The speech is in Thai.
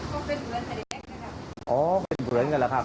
ก็เป็นเหมือนกันนะครับอ๋อเป็นเหมือนกันแหละครับ